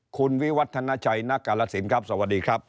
คุณวิวัฒนาชัยนักกาลสินครับสวัสดีครับ